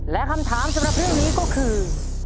และคำถามสำหรับเรื่องนี้ก็คือ